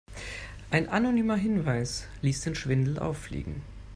Ein anonymer Hinweis ließ den Schwindel auffliegen.